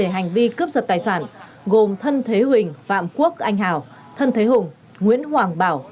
hành vi cướp giật tài sản gồm thân thế huỳnh phạm quốc anh hào thân thế hùng nguyễn hoàng bảo